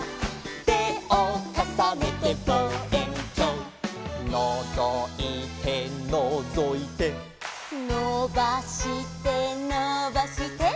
「てをかさねてぼうえんきょう」「のぞいてのぞいて」「のばしてのばして」